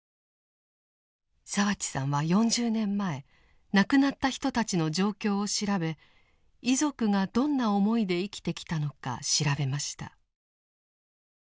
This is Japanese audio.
澤地さんは４０年前亡くなった人たちの状況を調べ遺族がどんな思いで生きてきたのか調べました。